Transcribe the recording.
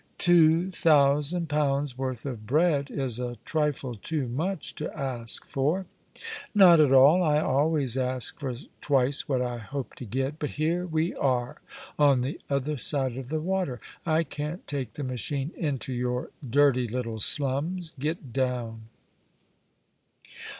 "Two thousand pounds' worth of bread is a trifle too much to ask for." "Not at all, I always ask for twice what I hope to get. But here we are on the other side of the water. I can't take the machine into your dirty little slums. Get down."